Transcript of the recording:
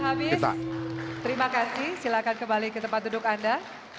waktu sudah habis terima kasih silahkan kembali ke tempat duduk anda